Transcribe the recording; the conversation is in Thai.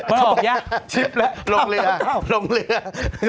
โรงเรือแล้ว